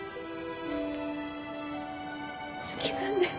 好きなんです。